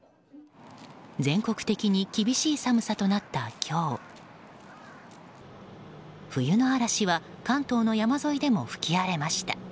全国的に厳しい寒さとなった今日冬の嵐は関東の山沿いでも吹き荒れました。